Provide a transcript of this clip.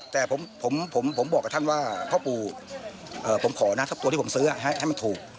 แต่ผมบอกกับท่านว่าพ่อปู่ผมขอนะถ้าตัวที่ผมซื้อให้มันถูก